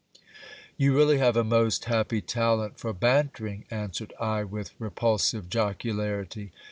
You really have a most happy talent for bantering, answered I, with repul sive jocularity.